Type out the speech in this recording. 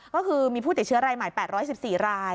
ก็คือมีผู้ติดเชื้อรายใหม่๘๑๔ราย